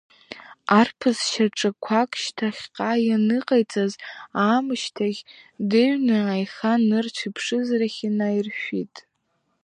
Арԥыс шьаҿақәак шьҭахьҟа ианыҟаиҵа аамышьҭахь, дыҩны аиха нырцә иԥшыз рахь инаиршәит.